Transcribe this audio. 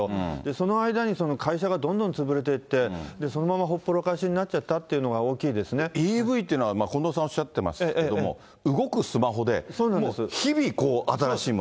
その間に会社がどんどん潰れていって、そのままほったらかしになっちゃったっていうのが大きいでＥＶっていうのは、近藤さんおっしゃってますけども、動くスマホで、もう日々、新しいもの？